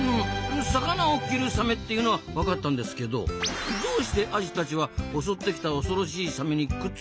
魚を着るサメっていうのは分かったんですけどどうしてアジたちは襲ってきた恐ろしいサメにくっつくんですか？